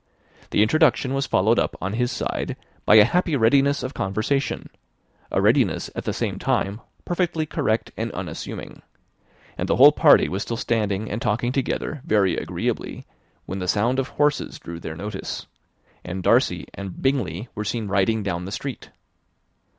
The introduction was followed up on his side by a happy readiness of conversation a readiness at the same time perfectly correct and unassuming; and the whole party were still standing and talking together very agreeably, when the sound of horses drew their notice, and Darcy and Bingley were seen riding down the street.